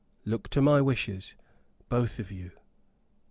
Look to my wishes, both of you.